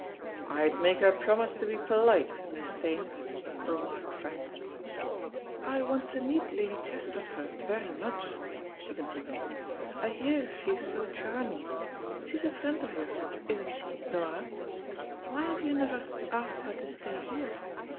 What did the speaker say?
"I'd make her promise to be polite, Miss Staines," remarked Frank. "I want to meet Lady Chesterford very much," she continued. "I hear she is so charming. She's a friend of yours; isn't she, Nora? Why have you never asked her to stay here?